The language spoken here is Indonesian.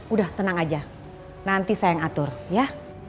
udah tenang aja nanti saya yang atur ya